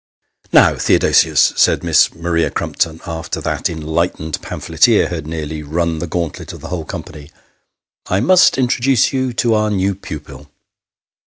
" Now, Theodosius," said Miss Maria Crumpton, after that en lightened pamphleteer had nearly run the gauntlet of the whole company, " I must introduce you to our new pupil."